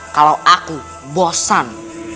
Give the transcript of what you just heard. kalau aku bosan